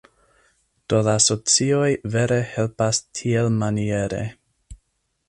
Do la socioj vere helpas tielmaniere.